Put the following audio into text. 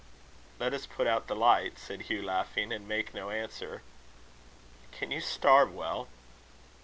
"Let us put out the light." said Hugh laughing, "and make no answer." "Can you starve well?"